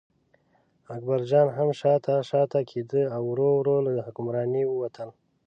اکبرجان هم شاته شاته کېده او ورو ورو له حکمرانۍ ووتل.